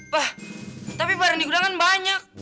pak tapi barang di gudang kan banyak